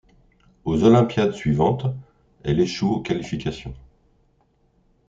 Aux olympiades suivantes, elle échoue aux qualifications.